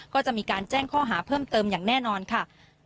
ก็จะมีการแจ้งข้อหาเพิ่มเติมอย่างแน่นอนค่ะ